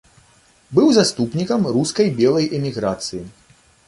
Быў заступнікам рускай белай эміграцыі.